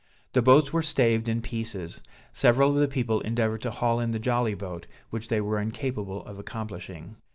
The boats were staved in pieces; several of the people endeavored to haul in the jolly boat, which they were incapable of accomplishing.